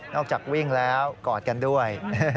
จากวิ่งแล้วกอดกันด้วย